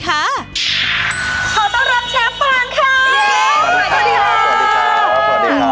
เขาต้องรับเชฟฟังค่ะ